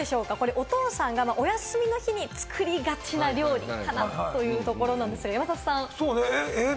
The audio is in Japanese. お父さんがお休みの日に作りがちな料理かな？というところなんですけれども、山里さん。